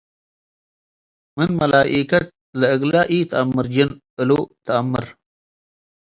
ምን መላኢከት ለእግለ ኢተአምር ጅን እሉ ተአምር